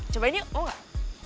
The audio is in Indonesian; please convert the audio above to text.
coba ini mau gak